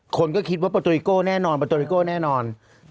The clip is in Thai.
คนก็คิดว่าปอโตริโก้แน่นอน